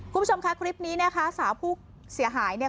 คุณผู้ชมค่ะคลิปนี้นะคะสาวผู้เสียหายเนี่ย